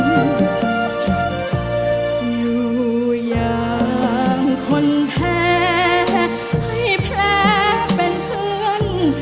อยู่อย่างคนแพ้ให้แผลเป็นเพื่อน